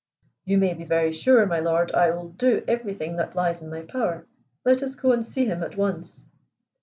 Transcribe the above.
"You may be very sure, my lord, I will do everything that lies in my power. Let us go and see him at once."